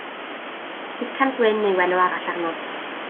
Sucan gwyn yw enw arall arno.